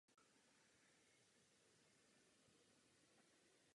Takto vytvořený efekt slavil u diváků obrovský úspěch.